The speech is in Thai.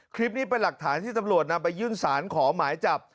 คลิปนี้เป็นหลักฐานที่ตำรวจนำไปยื่นสารขอหมายจับ